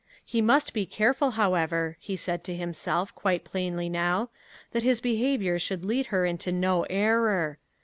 He must be careful, however, he said to himself, quite plainly now, that his behavior should lead her into no error.